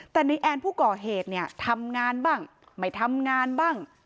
แต่ในแอนผู้ก่อเหตุเนี่ยทำงานบ้างไม่ทำงานบ้าง